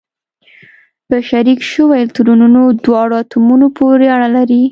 په شریک شوي الکترونونه دواړو اتومونو پورې اړه لري.